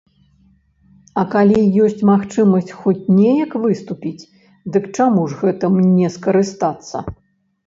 А калі ёсць магчымасць хоць неяк выступіць, дык чаму ж гэтым не скарыстацца?